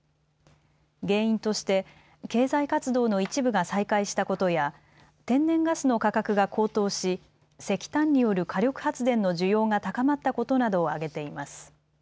原因として経済活動の一部が再開したことや天然ガスの価格が高騰し石炭による火力発電の需要が高まったことなどを挙げています。